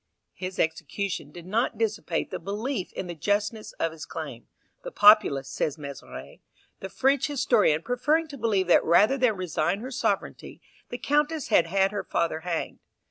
His execution did not dissipate the belief in the justness of his claim; the populace, says Mezeray, the French historian, preferring to believe that rather than resign her sovereignty, the Countess had had her father hanged.